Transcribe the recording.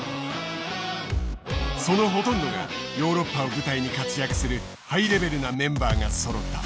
そのほとんどがヨーロッパを舞台に活躍するハイレベルなメンバーがそろった。